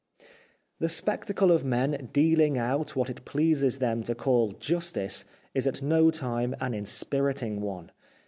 The spectacle of men dealing out what it pleases them to call justice is at no time an inspiriting one.